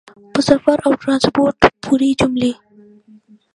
په سفر او ټرانسپورټ پورې جملې